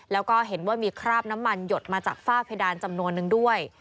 แล้วก็เห็นว่ามีคราบน้ำมันหยดมาจากฝ้าเพดานจำนวนนึงด้วย